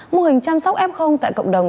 mô hình chăm sóc f tại cộng đồng